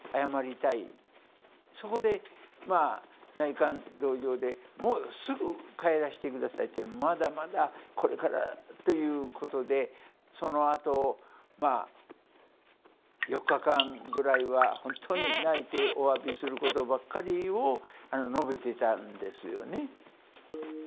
そこでまあ内観道場でもうすぐ帰らして下さいってまだまだこれからということでそのあとまあ４日間ぐらいは本当に泣いておわびすることばっかりを述べていたんですよね。